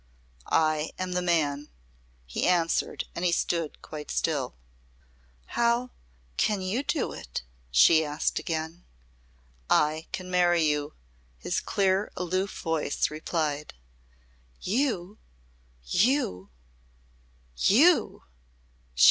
"I am the man," he answered, and he stood quite still. "How can you do it?" she asked again. "I can marry you," his clear, aloof voice replied. "You! You! You!"